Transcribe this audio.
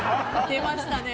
出ましたね。